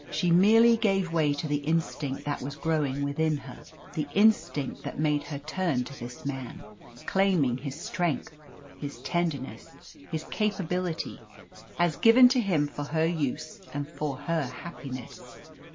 She merely gave way to the instinct that was growing within her the instinct that made her turn to this man, claiming his strength, his tenderness, his capability, as given to him for her use and for her happiness.